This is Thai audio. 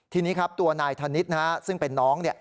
ทีนี้ครับตัวนายธนิษฐ์นะครับซึ่งเป็นน้อง